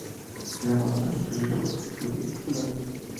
El amor es la misión y la vocación de toda la vida.